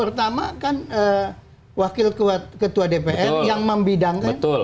pertama kan wakil ketua dpr yang membidangkan